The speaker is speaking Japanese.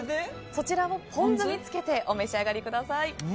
そちらをポン酢につけてお召し上がりください。